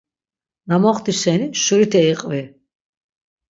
Na moxti şeni şurite iqvi.